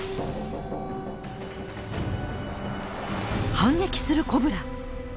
反撃するコブラ。